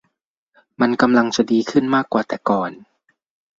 มันกำลังจะดีขึ้นมากกว่าแต่ก่อน